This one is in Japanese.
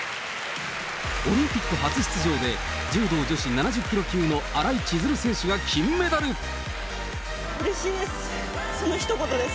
オリンピック初出場で柔道女子７０キロ級の新井千鶴選手が金うれしいです。